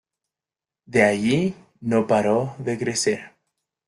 De allí no paró de crecer.